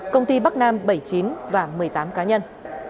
công ty bắc nam bảy mươi chín và một mươi tám cá nhân